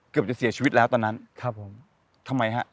เกือบจะเสียชีวิตแล้วตอนนั้นครับผมทำไมฮะ